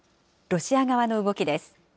ロシア側の動きです。